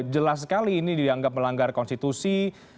jelas sekali ini dianggap melanggar konstitusi